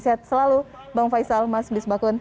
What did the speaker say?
sehat selalu bang faisal mas misbah kun